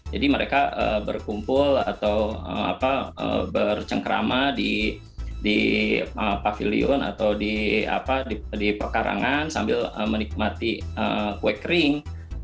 jadi mereka berkumpul atau bercengkerama di pavilion atau di pekarangan sambil menikmati kue kering